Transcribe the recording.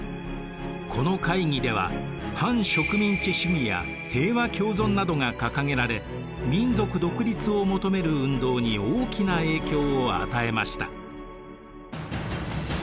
この会議では反植民地主義や平和共存などが掲げられ民族独立を求める運動に大きな影響を与えました。